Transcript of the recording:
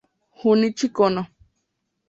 Junichi Kono